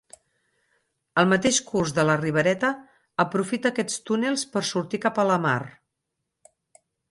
El mateix curs de la Ribereta aprofita aquests túnels per sortir cap a la mar.